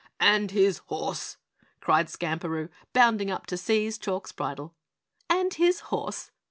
"And his horse!" cried Skamperoo, bounding up to seize Chalk's bridle. "And his horse!"